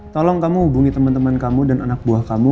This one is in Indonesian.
tolong kamu hubungi teman teman kamu dan anak buah kamu